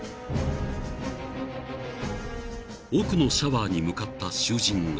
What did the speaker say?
［奥のシャワーに向かった囚人が］